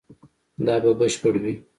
دا به بشپړ وي